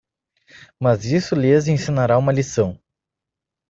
Mas isso lhes ensinará uma lição.